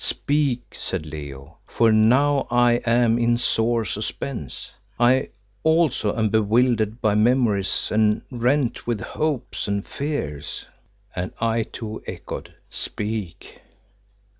speak!" said Leo, "for know I am in sore suspense. I also am bewildered by memories and rent with hopes and fears." And I too echoed, "Speak!"